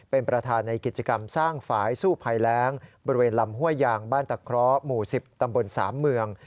เป็นประธานในกิจกรรมสร้างฝ่ายสู้ภัยแรงบริเวณลำห้วยยางบ้านตะเคราะห์หมู่๑๐ตำบล๓เมือง